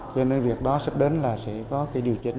cho nên việc đó sắp đến là sẽ có cái điều chỉnh